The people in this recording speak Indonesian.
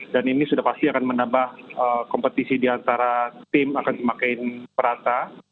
dan ini sudah pasti akan menambah kompetisi di antara tim akan semakin perata